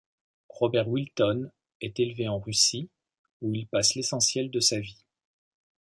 Robert Wilton est élevé en Russie, où il passe l'essentiel de sa vie.